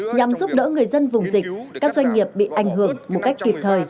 nhằm giúp đỡ người dân vùng dịch các doanh nghiệp bị ảnh hưởng một cách kịp thời